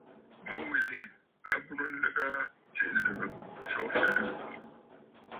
Mu wilì a burə nlɨgə aa tsiʼì lɨ̀gə̀, tso fɨliɨ̂.